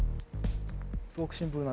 すごくシンプルな。